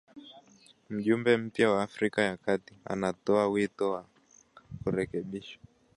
Mjumbe mpya wa Afrika ya Kati anatoa wito wa kurekebishwa